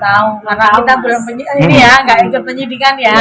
karena kita belum penyidikan ini ya nggak ikut penyidikan ya